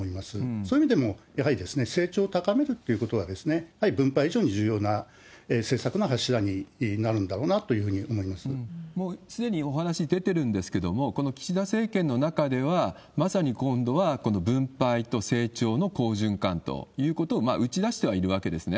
そういう意味でもやはり成長を高めるっていうことは、やっぱり分配以上に重要な政策の柱になるんだろうなというふうにすでにお話出てるんですけれども、この岸田政権の中では、まさに今度はこの分配と成長の好循環ということを打ち出してはいるわけですね。